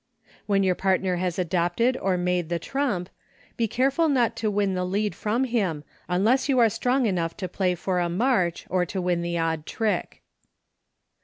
When your partner has adopted or made the trump, be careful not to win the lead from him, unless you are strong enough to play for a march, or to win the odd trick.